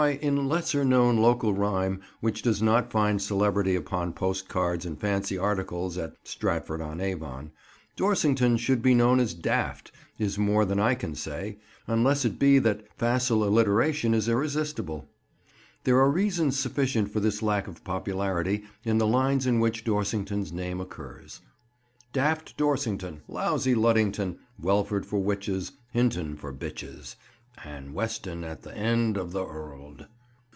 Why, in a lesser known local rhyme, which does not find celebrity upon postcards and fancy articles at Stratford on Avon, Dorsington should be known as "Daft" is more than I can say; unless it be that the facile alliteration is irresistible. There are reasons sufficient for this lack of popularity, in the lines in which Dorsington's name occurs— "Daft Dorsington, Lousy Luddington, Welford for witches, Hinton for bitches, An' Weston at th' end of th' 'orld."